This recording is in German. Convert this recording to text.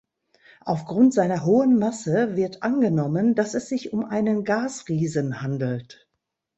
Aufgrund seiner hohen Masse wird angenommen, dass es sich um einen Gasriesen handelt.